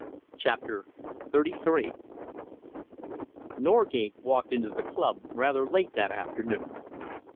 CHAPTER XXXIII Norgate walked into the club rather late that afternoon.